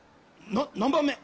な何番目？